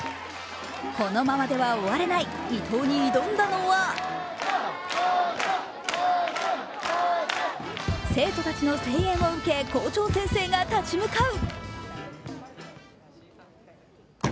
このままでは終われない、伊藤に挑んだのは生徒たちの声援を受け、校長先生が立ち向かう。